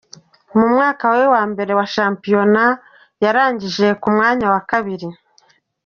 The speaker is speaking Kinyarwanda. Mu mwaka we wa mbere wa shampiyona barangije ku mwanya wa kabiri.